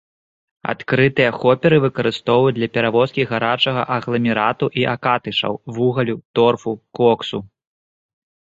Адкрытыя хоперы выкарыстоўваюць для перавозкі гарачага агламерату і акатышаў, вугалю, торфу, коксу.